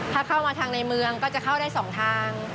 ถ้าเข้ามาทางในเมืองก็จะเข้าได้๒ทาง